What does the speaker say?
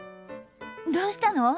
どうしたの？